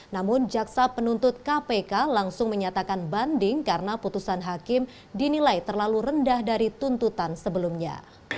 namun jaksa penuntut kpk langsung menyatakan banding karena putusan hakim dinilai terlalu rendah dari tuntutan sebelumnya